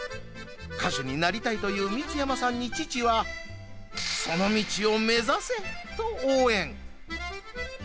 歌手になりたいという光山さんに父はその道を目指せと応援。